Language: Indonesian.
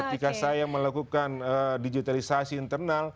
ketika saya melakukan digitalisasi internal